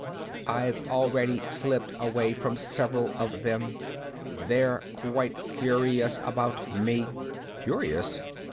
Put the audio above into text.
"I've already slipped away from several of them. They're quite curious about me." "Curious?"